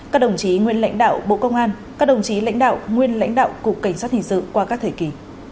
các đồng chí nguyên lãnh đạo bộ công an các đồng chí lãnh đạo nguyên lãnh đạo cục cảnh sát hình sự qua các thời kỳ